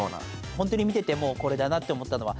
ホントに見ててこれだなって思ったのは。